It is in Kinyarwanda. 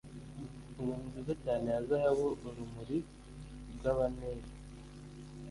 inkoni nziza cyane ya zahabu, urumuri rwa banneri